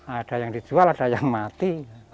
ada yang dijual ada yang mati